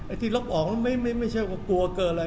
ไอะที่รักออกเนี่ยไม่ใช่ว่ากลัวเกิดอะไร